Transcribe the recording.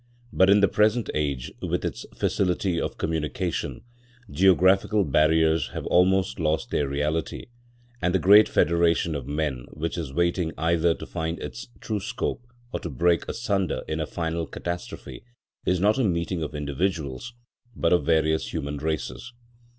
But in the present age, with its facility of communication, geographical barriers have almost lost their reality, and the great federation of men, which is waiting either to find its true scope or to break asunder in a final catastrophe, is not a meeting of individuals, but of various human races.